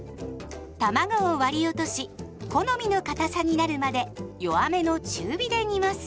たまごを割り落とし好みのかたさになるまで弱めの中火で煮ます。